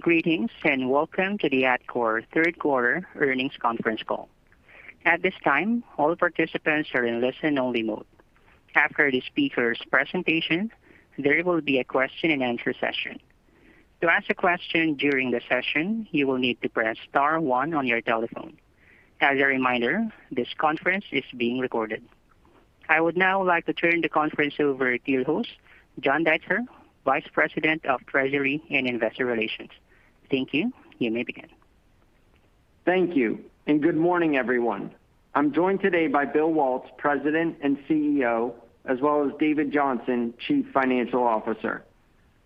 Greetings, welcome to the Atkore third quarter earnings conference call. At this time, all participants are in listen only mode. After the speakers presentation, there will be a question and answer session. To ask a question during the session, you will need to press star one on your telephone. As a reminder, this conference is being recorded. I would now like to turn the conference over to your host, John Deitzer vice president of treasury and investor relations. Thank you. You may begin. Thank you, good morning, everyone. I'm joined today by William Waltz, President and CEO, as well as David Johnson, Chief Financial Officer.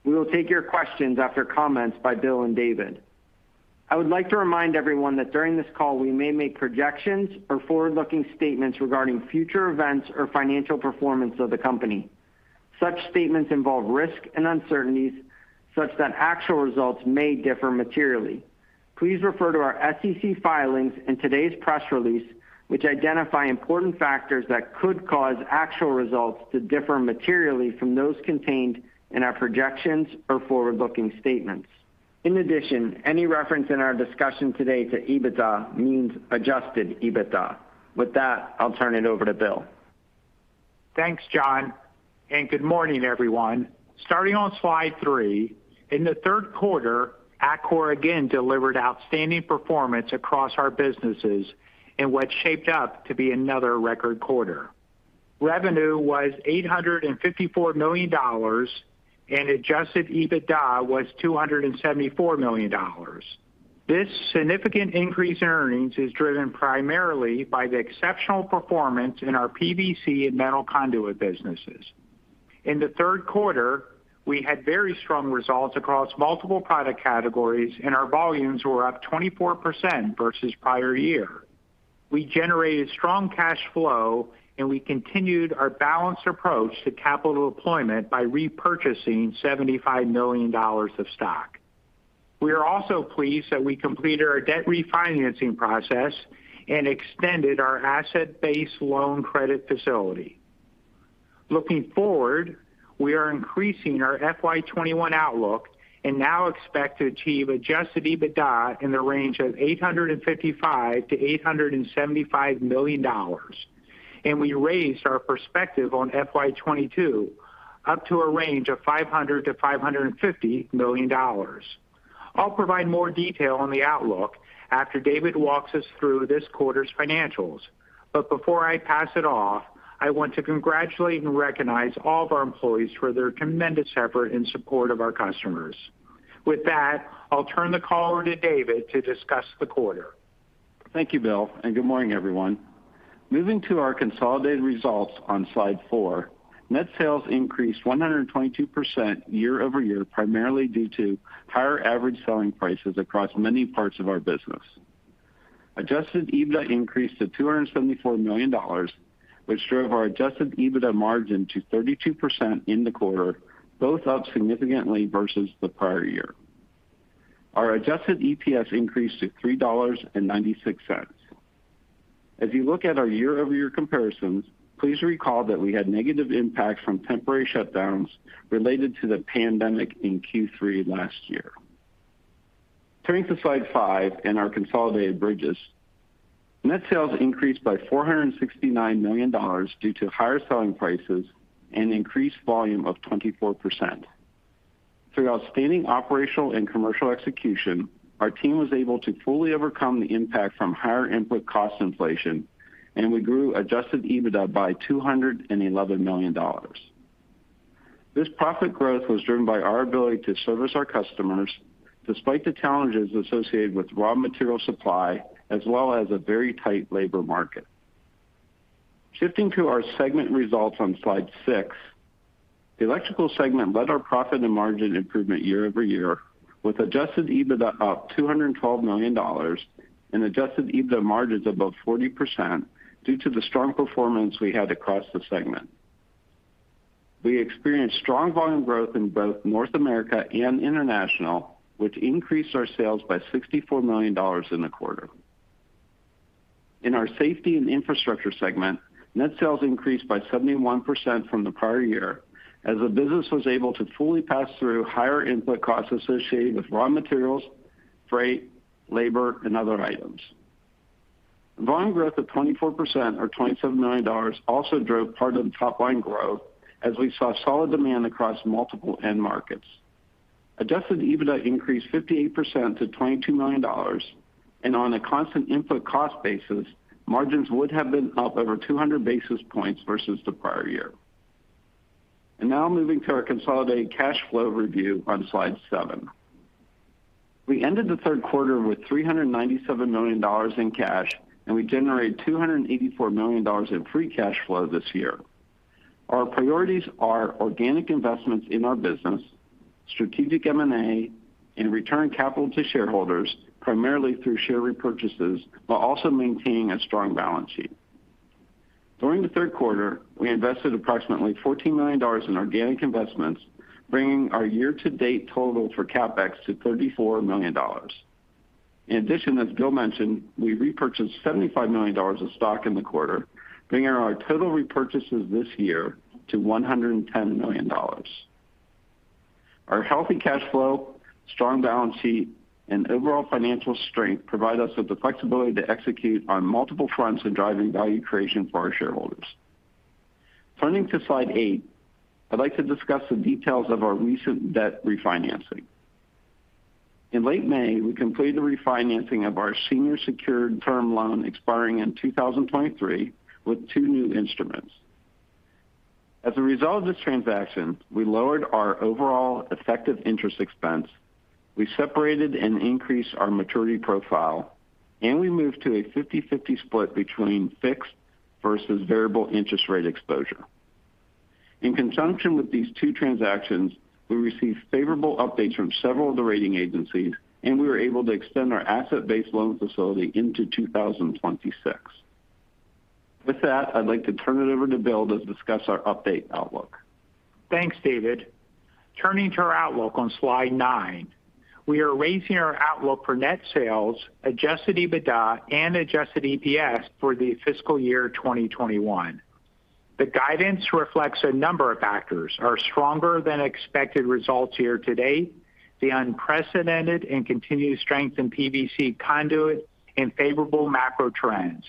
We will take your questions after comments by Bill and David. I would like to remind everyone that during this call, we may make projections or forward-looking statements regarding future events or financial performance of the company. Such statements involve risk and uncertainties such that actual results may differ materially. Please refer to our SEC filings and today's press release, which identify important factors that could cause actual results to differ materially from those contained in our projections or forward-looking statements. In addition, any reference in our discussion today to EBITDA means adjusted EBITDA. With that, I'll turn it over to Bill. Thanks, John, good morning, everyone. Starting on slide three, in the third quarter, Atkore again delivered outstanding performance across our businesses in what shaped up to be another record quarter. Revenue was $854 million, and adjusted EBITDA was $274 million. This significant increase in earnings is driven primarily by the exceptional performance in our PVC and metal conduit businesses. In the third quarter, we had very strong results across multiple product categories, and our volumes were up 24% versus prior year. We generated strong cash flow, and we continued our balanced approach to capital deployment by repurchasing $75 million of stock. We are also pleased that we completed our debt refinancing process and extended our asset-based loan credit facility. Looking forward, we are increasing our FY 2021 outlook and now expect to achieve adjusted EBITDA in the range of $855 million-$875 million. We raised our perspective on FY22 up to a range of $500 million-$550 million. I'll provide more detail on the outlook after David walks us through this quarter's financials. Before I pass it off, I want to congratulate and recognize all of our employees for their tremendous effort in support of our customers. With that, I'll turn the call over to David to discuss the quarter. Thank you, Bill, and good morning, everyone. Moving to our consolidated results on slide four, net sales increased 122% year-over-year, primarily due to higher average selling prices across many parts of our business. Adjusted EBITDA increased to $274 million, which drove our adjusted EBITDA margin to 32% in the quarter, both up significantly versus the prior year. Our adjusted EPS increased to $3.96. As you look at our year-over-year comparisons, please recall that we had negative impacts from temporary shutdowns related to the pandemic in Q3 last year. Turning to slide five and our consolidated bridges. Net sales increased by $469 million due to higher selling prices and increased volume of 24%. Through outstanding operational and commercial execution, our team was able to fully overcome the impact from higher input cost inflation, and we grew adjusted EBITDA by $211 million. This profit growth was driven by our ability to service our customers, despite the challenges associated with raw material supply, as well as a very tight labor market. Shifting to our segment results on slide six. The Electrical segment led our profit and margin improvement year-over-year, with adjusted EBITDA up $212 million and adjusted EBITDA margins above 40% due to the strong performance we had across the segment. We experienced strong volume growth in both North America and international, which increased our sales by $64 million in the quarter. In our Safety and Infrastructure segment, net sales increased by 71% from the prior year, as the business was able to fully pass through higher input costs associated with raw materials, freight, labor, and other items. Volume growth of 24%, or $27 million, also drove part of the top-line growth as we saw solid demand across multiple end markets. Adjusted EBITDA increased 58% to $22 million. On a constant input cost basis, margins would have been up over 200 basis points versus the prior year. Now moving to our consolidated cash flow review on slide seven. We ended the third quarter with $397 million in cash. We generated $284 million in free cash flow this year. Our priorities are organic investments in our business, strategic M&A, return capital to shareholders, primarily through share repurchases, while also maintaining a strong balance sheet. During the third quarter, we invested approximately $14 million in organic investments, bringing our year-to-date total for CapEx to $34 million. In addition, as Bill mentioned, we repurchased $75 million of stock in the quarter, bringing our total repurchases this year to $110 million. Our healthy cash flow, strong balance sheet, and overall financial strength provide us with the flexibility to execute on multiple fronts in driving value creation for our shareholders. Turning to slide eight, I'd like to discuss the details of our recent debt refinancing. In late May, we completed the refinancing of our senior secured term loan expiring in 2023 with two new instruments. As a result of this transaction, we lowered our overall effective interest expense, we separated and increased our maturity profile, and we moved to a 50/50 split between fixed versus variable interest rate exposure. In conjunction with these two transactions, we received favorable updates from several of the rating agencies, and we were able to extend our asset-based loan facility into 2026. With that, I'd like to turn it over to Bill to discuss our updated outlook. Thanks, David. Turning to our outlook on slide nine. We are raising our outlook for net sales, adjusted EBITDA, and adjusted EPS for the fiscal year 2021. The guidance reflects a number of factors. Our stronger than expected results year to date, the unprecedented and continued strength in PVC conduit, and favorable macro trends.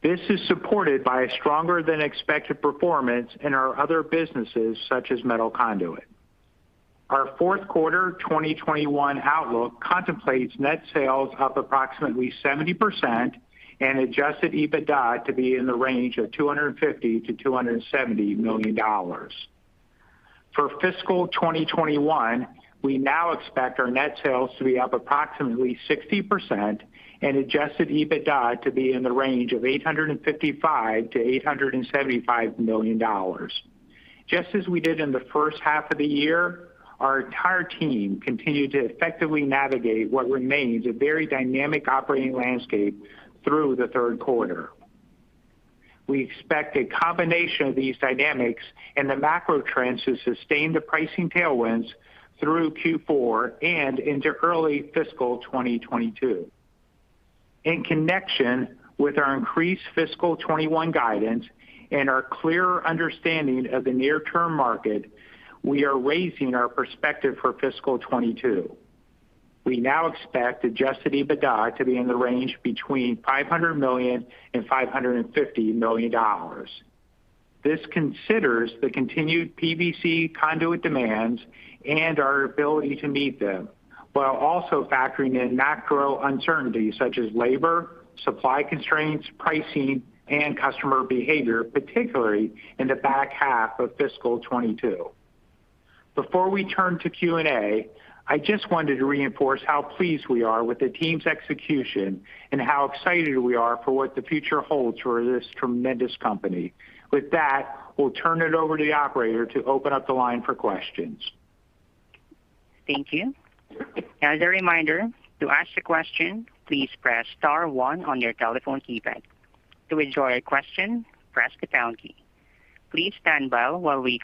This is supported by a stronger than expected performance in our other businesses, such as metal conduit. Our fourth quarter 2021 outlook contemplates net sales up approximately 70% and adjusted EBITDA to be in the range of $250 million-$270 million. For fiscal 2021, we now expect our net sales to be up approximately 60% and adjusted EBITDA to be in the range of $855 million-$875 million. Just as we did in the first half of the year, our entire team continued to effectively navigate what remains a very dynamic operating landscape through the third quarter. We expect a combination of these dynamics and the macro trends to sustain the pricing tailwinds through Q4 and into early fiscal 2022. In connection with our increased fiscal 2021 guidance and our clearer understanding of the near-term market, we are raising our perspective for fiscal 2022. We now expect adjusted EBITDA to be in the range between $500 million and $550 million. This considers the continued PVC conduit demands and our ability to meet them, while also factoring in macro uncertainties such as labor, supply constraints, pricing, and customer behavior, particularly in the back half of fiscal 2022. Before we turn to Q&A, I just wanted to reinforce how pleased we are with the team's execution and how excited we are for what the future holds for this tremendous company. With that, we'll turn it over to the operator to open up the line for questions. Thank you. As a reminder to ask a question please press star one on your telephone key pad to record your question press the dial key please stand by we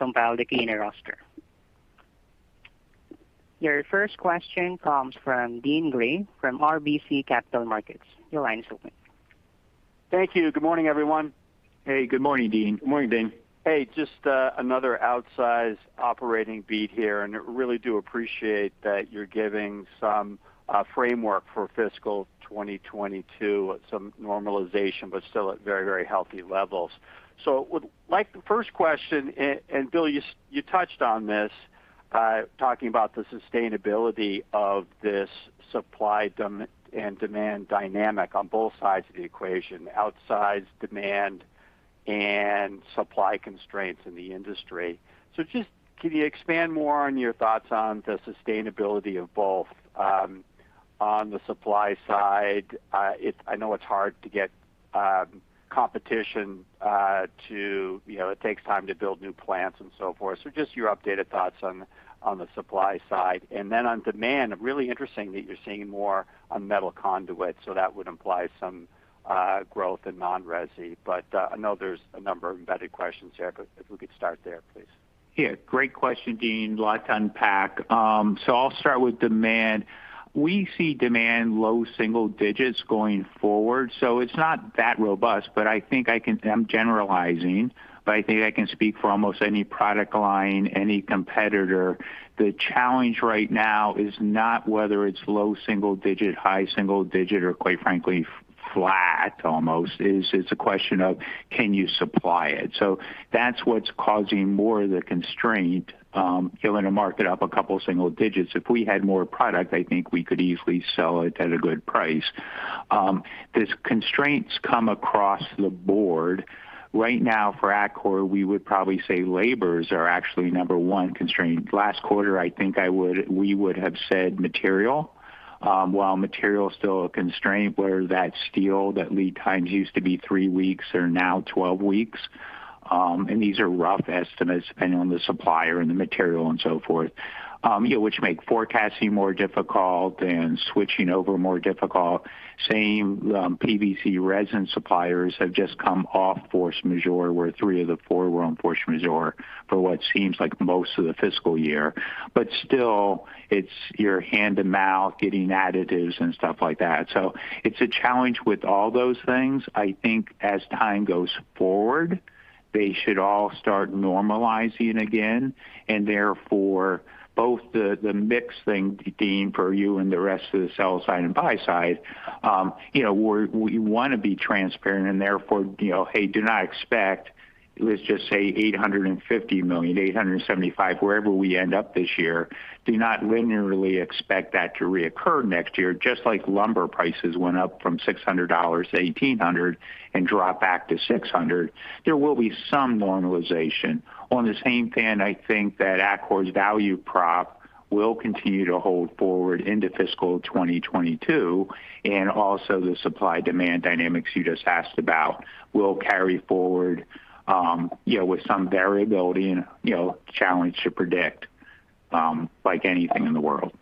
Your first question comes from Deane Dray from RBC Capital Markets. Your line is open. Thank you. Good morning, everyone. Hey, good morning, Deane. Good morning, Deane. Hey, just another outsized operating beat here, and really do appreciate that you're giving some framework for fiscal 2022, some normalization, but still at very healthy levels. Would like the first question, and Bill, you touched on this, talking about the sustainability of this supply and demand dynamic on both sides of the equation, outsized demand and supply constraints in the industry. Just can you expand more on your thoughts on the sustainability of both on the supply side? I know it's hard to get competition. It takes time to build new plants and so forth. Just your updated thoughts on the supply side. On demand, really interesting that you're seeing more on metal conduit, so that would imply some growth in non-resi. I know there's a number of embedded questions there, but if we could start there, please. Yeah. Great question, Deane Dray. Lot to unpack. I'll start with demand. We see demand low single digits going forward. It's not that robust, but I think I'm generalizing, but I think I can speak for almost any product line, any competitor. The challenge right now is not whether it's low single digit, high single digit, or quite frankly, flat almost. It's a question of can you supply it? That's what's causing more of the constraint, filling a market up a couple single digits. If we had more product, I think we could easily sell it at a good price. These constraints come across the board. Right now for Atkore, we would probably say labor is actually number 1 constraint. Last quarter, I think we would have said material. While material is still a constraint, whether that's steel, that lead times used to be three weeks are now 12 weeks. These are rough estimates depending on the supplier and the material and so forth. Which make forecasting more difficult and switching over more difficult. Same PVC resin suppliers have just come off force majeure, where three of the four were on force majeure for what seems like most of the fiscal year. Still, it's your hand to mouth, getting additives and stuff like that. It's a challenge with all those things. I think as time goes forward, they should all start normalizing again. Therefore both the mix thing, Deane Dray, for you and the rest of the sell side and buy side, we want to be transparent and therefore, do not expect, let's just say $850 million, $875 million, wherever we end up this year, do not linearly expect that to reoccur next year. Just like lumber prices went up from $600 to $1,800 and drop back to $600, there will be some normalization. On the same vein, I think that Atkore's value prop will continue to hold forward into fiscal 2022. Also the supply-demand dynamics you just asked about will carry forward with some variability and challenge to predict, like anything in the world.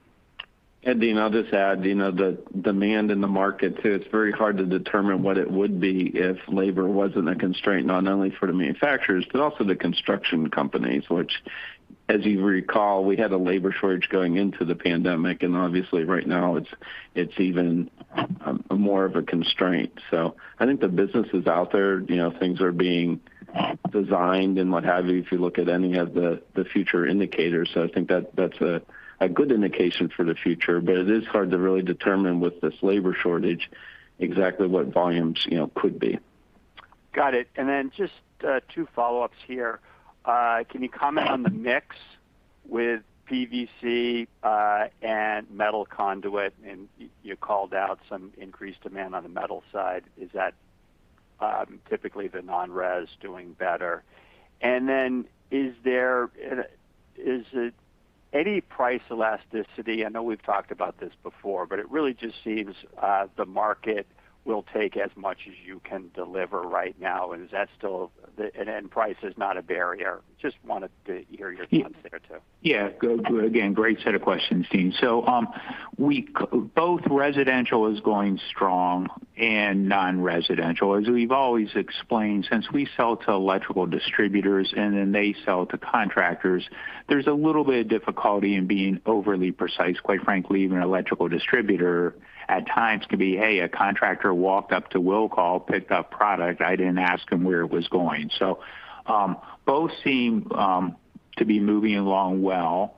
Deane, I'll just add, the demand in the market too, it's very hard to determine what it would be if labor wasn't a constraint, not only for the manufacturers, but also the construction companies, which, as you recall, we had a labor shortage going into the pandemic, and obviously right now it's even more of a constraint. I think the businesses out there, things are being designed and what have you, if you look at any of the future indicators. I think that's a good indication for the future. It is hard to really determine with this labor shortage exactly what volumes could be. Got it. Just two follow-ups here. Can you comment on the mix with PVC and metal conduit? You called out some increased demand on the metal side. Is that typically the non-res doing better? Is there any price elasticity? I know we've talked about this before, but it really just seems the market will take as much as you can deliver right now. Is that still, and price is not a barrier? Just wanted to hear your thoughts there too. Again, great set of questions, Deane Dray. Both residential is going strong and non-residential. As we've always explained, since we sell to electrical distributors and then they sell to contractors, there's a little bit of difficulty in being overly precise. Quite frankly, even an electrical distributor at times can be, "Hey, a contractor walked up to will call, picked up product. I didn't ask him where it was going." Both seem to be moving along well.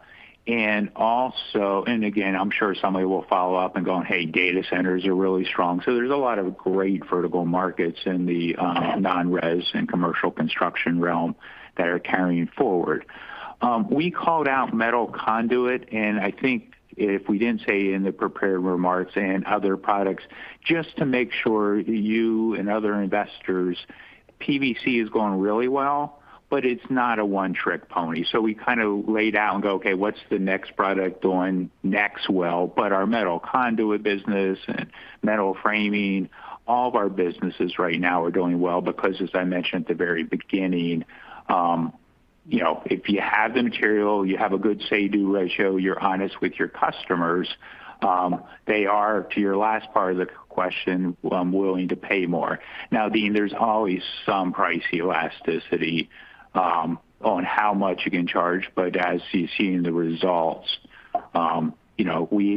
Again, I'm sure somebody will follow up and go, "Hey, data centers are really strong." There's a lot of great vertical markets in the non-res and commercial construction realm that are carrying forward. We called out metal conduit, and I think if we didn't say in the prepared remarks and other products, just to make sure you and other investors, PVC is going really well, but it's not a one-trick pony. We kind of laid out and go, "Okay, what's the next product doing next well?" Our metal conduit business and metal framing, all of our businesses right now are doing well because, as I mentioned at the very beginning, if you have the material, you have a good say-do ratio, you're honest with your customers, they are, to your last part of the question, willing to pay more. Now, Deane, there's always some price elasticity on how much you can charge, but as you've seen in the results,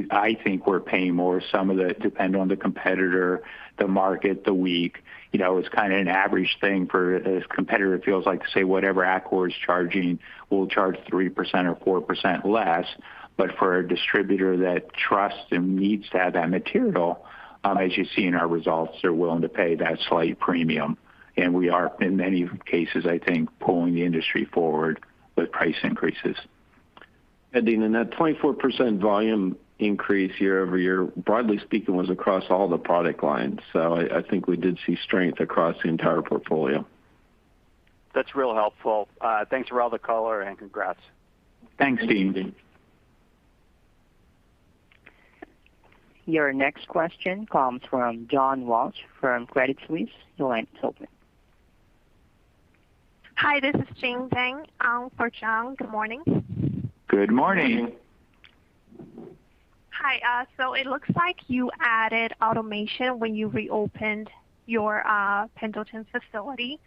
I think we're paying more. Some of it depend on the competitor, the market, the week. It's kind of an average thing for a competitor feels like, say, whatever Atkore is charging, we'll charge 3% or 4% less. For a distributor that trusts and needs to have that material, as you see in our results, they're willing to pay that slight premium. We are, in many cases, I think, pulling the industry forward with price increases. Deane, in that 24% volume increase year-over-year, broadly speaking, was across all the product lines. I think we did see strength across the entire portfolio. That's real helpful. Thanks for all the color and congrats. Thanks, Deane. Thanks, Deane. Your next question comes from John Walsh from Credit Suisse. Your line is open. Hi, this is Jing Peng for John. Good morning. Good morning. Hi. It looks like you added automation when you reopened your Pendleton facility.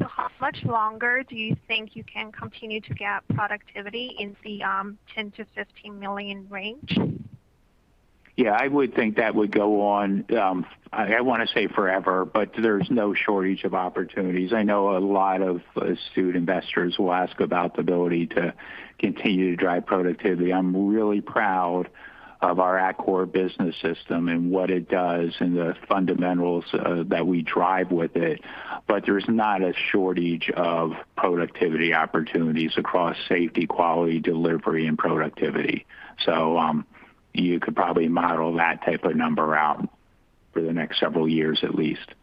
How much longer do you think you can continue to get productivity in the $10 million-$15 million range? I would think that would go on, I want to say forever, but there's no shortage of opportunities. I know a lot of astute investors will ask about the ability to continue to drive productivity. I'm really proud of our Atkore Business System and what it does and the fundamentals that we drive with it. There's not a shortage of productivity opportunities across safety, quality, delivery, and productivity. You could probably model that type of number out for the next several years at least.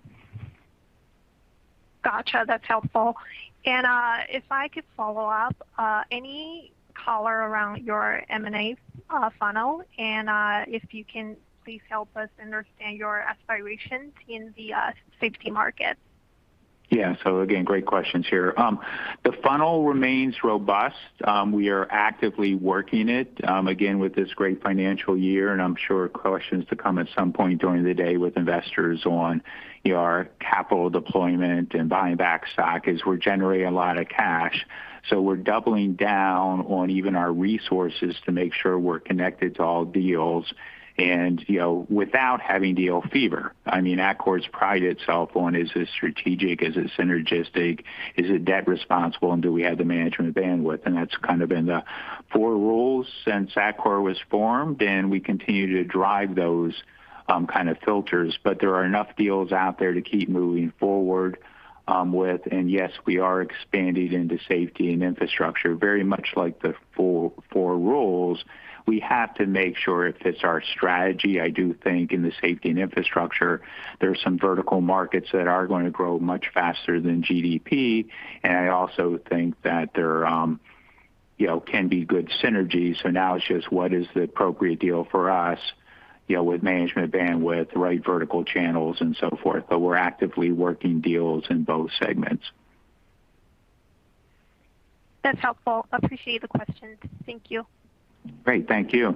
Got you. That's helpful. If I could follow up, any color around your M&A funnel, and if you can please help us understand your aspirations in the safety market? Yeah. Again, great questions here. The funnel remains robust. We are actively working it, again, with this great financial year, and I'm sure questions to come at some point during the day with investors on our capital deployment and buying back stock, as we're generating a lot of cash. We're doubling down on even our resources to make sure we're connected to all deals and without having deal fever. Atkore's prided itself on, is it strategic, is it synergistic, is it debt responsible, and do we have the management bandwidth? That's kind of been the four rules since Atkore was formed, and we continue to drive those kind of filters. There are enough deals out there to keep moving forward with, and yes, we are expanding into safety and infrastructure. Very much like the four rules, we have to make sure it fits our strategy. I do think in the safety and infrastructure, there are some vertical markets that are going to grow much faster than GDP, and I also think that there can be good synergy. Now it's just what is the appropriate deal for us, with management bandwidth, the right vertical channels, and so forth. We're actively working deals in both segments. That's helpful. Appreciate the questions. Thank you. Great. Thank you.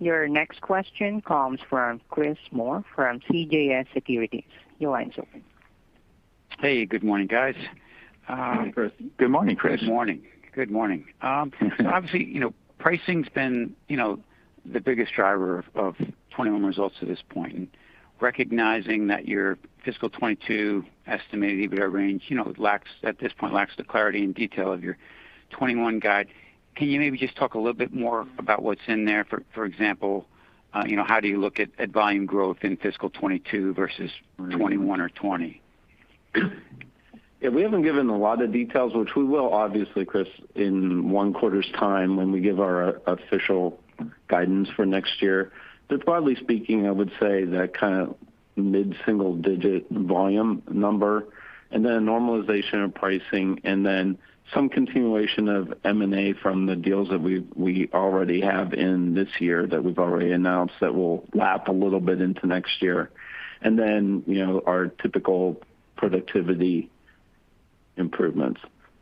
Your next question comes from Chris Moore from CJS Securities. Your line's open. Hey, good morning, guys. Good morning, Chris. Morning. Good morning. Obviously, pricing's been the biggest driver of 2021 results to this point. Recognizing that your fiscal 2022 estimated EBITDA range, at this point, lacks the clarity and detail of your 2021 guide. Can you maybe just talk a little bit more about what's in there? For example, how do you look at volume growth in fiscal 2022 versus 2021 or 2020? Yeah, we haven't given a lot of details, which we will obviously, Chris, in 1 quarter's time when we give our official guidance for next year. Broadly speaking, I would say that kind of mid-single digit volume number, and then a normalization of pricing, and then some continuation of M&A from the deals that we already have in this year that we've already announced that will lap a little bit into next year. Our typical productivity improvements.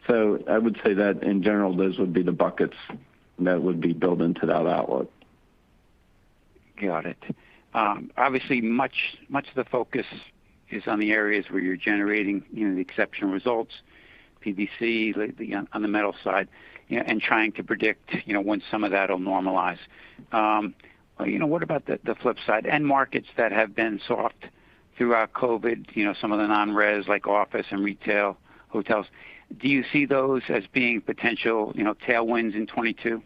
I would say that in general, those would be the buckets that would be built into that outlook. Got it. Obviously, much of the focus is on the areas where you're generating the exceptional results, PVC lately on the metal side, and trying to predict when some of that'll normalize. What about the flip side? End markets that have been soft throughout COVID, some of the non-res like office and retail, hotels. Do you see those as being potential tailwinds in 2022?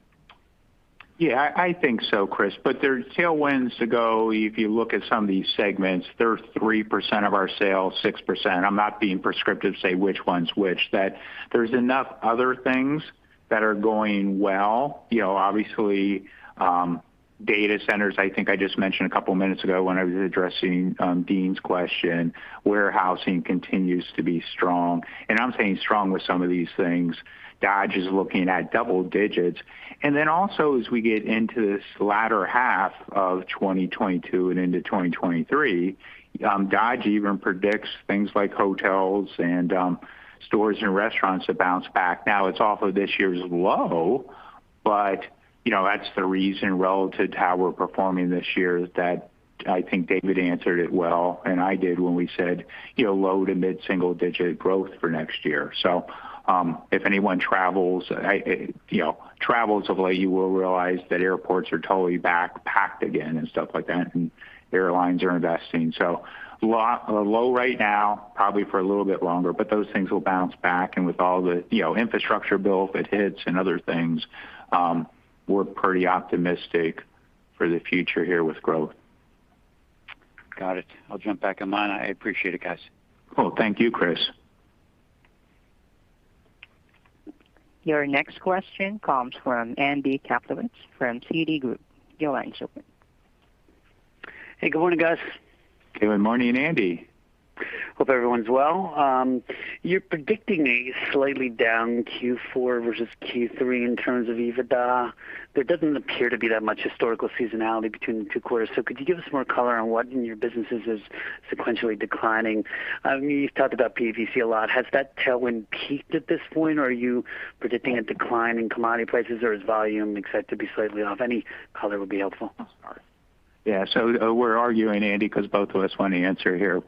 I think so, Chris. They're tailwinds to go, if you look at some of these segments, they're 3% of our sales, 6%. I'm not being prescriptive to say which one's which. There's enough other things that are going well. Obviously, data centers, I think I just mentioned a couple of minutes ago when I was addressing Deane's question. Warehousing continues to be strong. I'm saying strong with some of these things. Dodge is looking at double digits. Also as we get into this latter half of 2022 and into 2023, Dodge even predicts things like hotels and stores and restaurants to bounce back. Now it's off of this year's low, but that's the reason relative to how we're performing this year, is that I think David answered it well, and I did when we said low to mid-single digit growth for next year. If anyone travels of late, you will realize that airports are totally backpacked again and stuff like that, and airlines are investing. Low right now, probably for a little bit longer, those things will bounce back and with all the Infrastructure Bill if it hits and other things, we're pretty optimistic for the future here with growth. Got it. I'll jump back in line. I appreciate it, guys. Cool. Thank you, Chris. Your next question comes from Andy Kaplowitz from Citigroup. Your line's open. Hey, good morning, guys. Good morning, Andy. Hope everyone's well. You're predicting a slightly down Q4 versus Q3 in terms of EBITDA. There doesn't appear to be that much historical seasonality between the 2 quarters, so could you give us more color on what in your businesses is sequentially declining? You've talked about PVC a lot. Has that tailwind peaked at this point, or are you predicting a decline in commodity prices, or is volume expected to be slightly off? Any color would be helpful. We're arguing, Andy, because both of us want to answer here.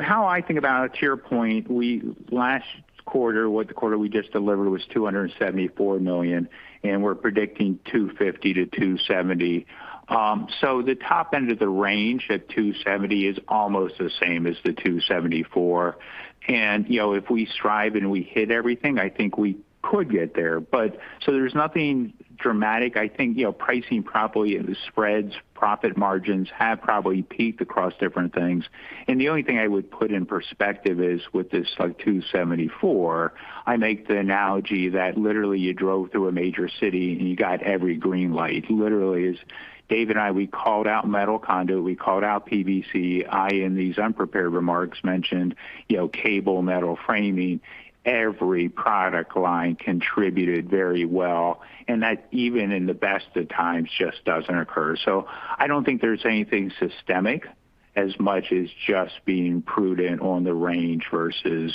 How I think about it, to your point, last quarter, the quarter we just delivered, was $274 million, and we're predicting $250-$270. The top end of the range at $270 is almost the same as the $274. If we strive and we hit everything, I think we could get there. There's nothing dramatic. I think, pricing probably, the spreads, profit margins have probably peaked across different things. The only thing I would put in perspective is with this $274, I make the analogy that literally you drove through a major city and you got every green light. Literally is Dave and I, we called out metal conduit, we called out PVC. I, in these unprepared remarks, mentioned cable metal framing. Every product line contributed very well, and that even in the best of times just doesn't occur. I don't think there's anything systemic. As much as just being prudent on the range versus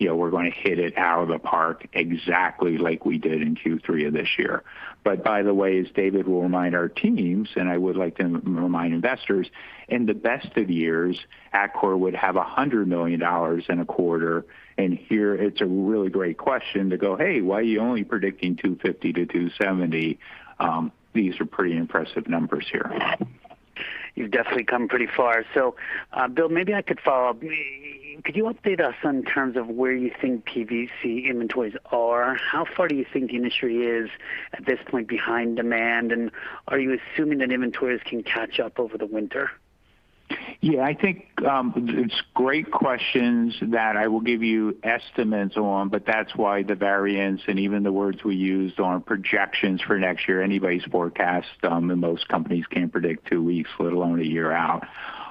we're going to hit it out of the park exactly like we did in Q3 of this year. By the way, as David will remind our teams, and I would like to remind investors, in the best of years, Atkore would have $100 million in a quarter, and here it's a really great question to go, "Hey, why are you only predicting $250 million-$270 million?" These are pretty impressive numbers here. You've definitely come pretty far. Bill, maybe I could follow up. Could you update us on terms of where you think PVC inventories are? How far do you think the industry is at this point behind demand, and are you assuming that inventories can catch up over the winter? I think it's great questions that I will give you estimates on, that's why the variance and even the words we used aren't projections for next year. Anybody's forecast, most companies can't predict two weeks, let alone a year out.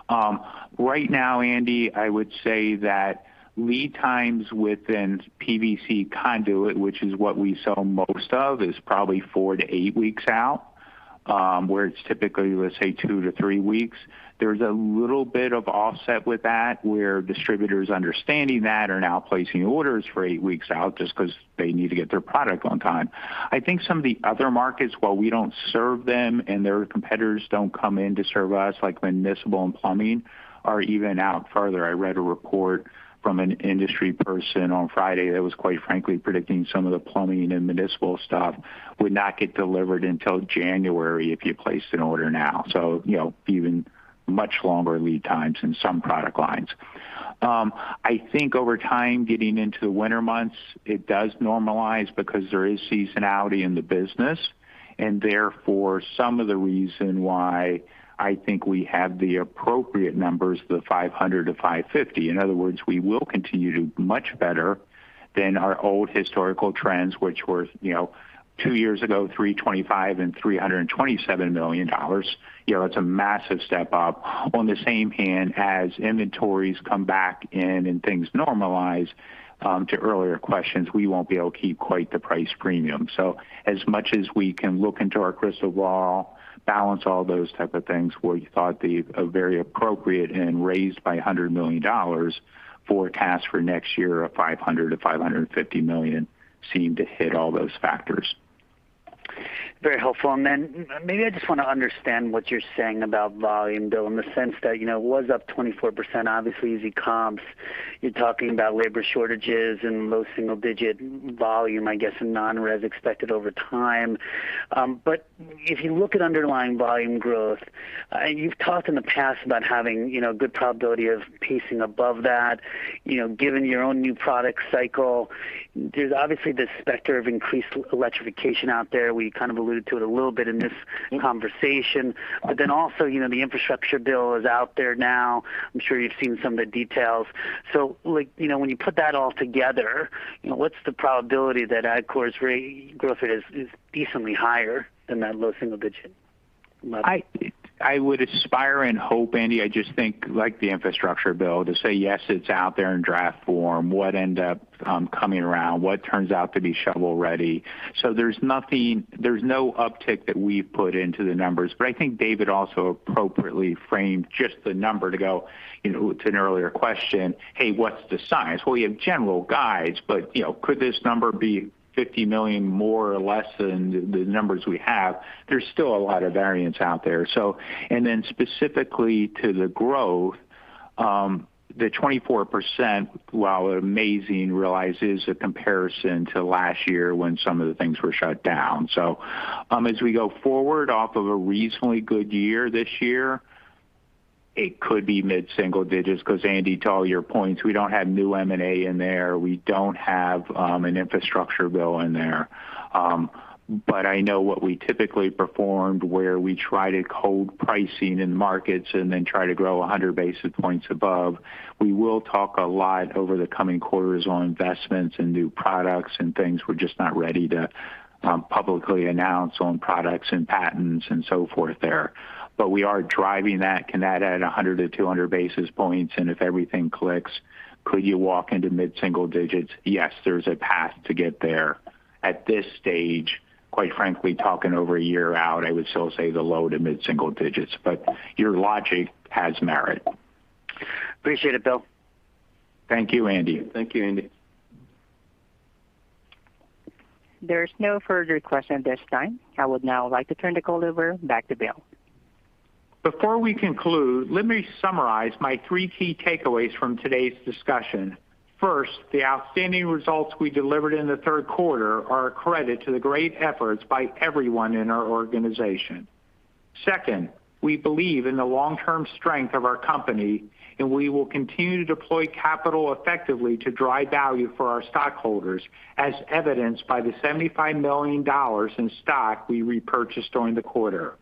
Right now, Andy, I would say that lead times within PVC conduit, which is what we sell most of, is probably four to eight weeks out, where it's typically, let say, two to three weeks. There's a little bit of offset with that, where distributors understanding that are now placing orders for eight weeks out just because they need to get their product on time. I think some of the other markets, while we don't serve them and their competitors don't come in to serve us, like municipal and plumbing, are even out further. I read a report from an industry person on Friday that was quite frankly predicting some of the plumbing and municipal stuff would not get delivered until January if you placed an order now. Even much longer lead times in some product lines. I think over time, getting into the winter months, it does normalize because there is seasonality in the business. Therefore, some of the reason why I think we have the appropriate numbers, the $500 million-$550 million. In other words, we will continue to do much better than our old historical trends, which were two years ago, $325 million and $327 million. It's a massive step up. On the same hand, as inventories come back and things normalize, to earlier questions, we won't be able to keep quite the price premium. As much as we can look into our crystal ball, balance all those type of things, we thought these are very appropriate and raised by $100 million forecast for next year of $500 million-$550 million seem to hit all those factors. Very helpful. Then maybe I just want to understand what you're saying about volume, Bill, in the sense that it was up 24%, obviously, easy comps. You're talking about labor shortages and low single-digit volume, I guess, in non-res expected over time. If you look at underlying volume growth, you've talked in the past about having good probability of pacing above that, given your own new product cycle. There's obviously this specter of increased electrification out there. We kind of alluded to it a little bit in this conversation. Then also, the infrastructure bill is out there now. I'm sure you've seen some of the details. When you put that all together, what's the probability that Atkore's growth rate is decently higher than that low single digit? I would aspire and hope, Andy, I just think like the infrastructure bill to say yes, it's out there in draft form. What ends up coming around, what turns out to be shovel-ready? There's no uptick that we've put into the numbers, but I think David also appropriately framed just the number to go to one earlier question, "Hey, what's the size?" Well, we have general guides, but could this number be $50 million more or less than the numbers we have? There's still a lot of variance out there. Specifically to the growth, the 24%, while amazing, realizes a comparison to last year when some of the things were shut down. As we go forward off of a reasonably good year this year, it could be mid-single digits, because Andy, to all your points, we don't have new M&A in there. We don't have an infrastructure bill in there. I know what we typically performed, where we tried to hold pricing in markets and then try to grow 100 basis points above. We will talk a lot over the coming quarters on investments in new products and things we're just not ready to publicly announce on products and patents and so forth there. We are driving that. Can that add 100 to 200 basis points? If everything clicks, could you walk into mid-single digits? Yes, there's a path to get there. At this stage, quite frankly, talking over a year out, I would still say the low-to-mid single digits. Your logic has merit. Appreciate it, Bill. Thank you, Andy. Thank you, Andy. There is no further questions at this time. I would now like to turn the call over back to William. Before we conclude, let me summarize my three key takeaways from today's discussion. First, the outstanding results we delivered in the third quarter are a credit to the great efforts by everyone in our organization. Second, we believe in the long-term strength of our company, and we will continue to deploy capital effectively to drive value for our stockholders, as evidenced by the $75 million in stock we repurchased during the quarter.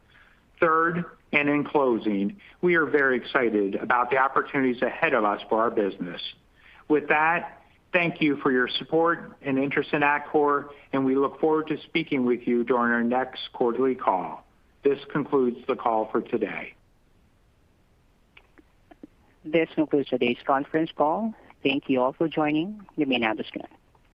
Third, and in closing, we are very excited about the opportunities ahead of us for our business. With that, thank you for your support and interest in Atkore, and we look forward to speaking with you during our next quarterly call. This concludes the call for today. This concludes today's conference call. Thank You all for joining. You may now disconnect.